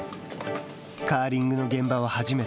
カーリングの現場は初めて。